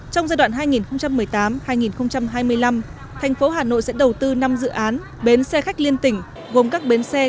trong giai đoạn hai nghìn một mươi tám hai nghìn hai mươi năm thành phố hà nội sẽ đầu tư năm dự án bến xe khách liên tỉnh gồm các bến xe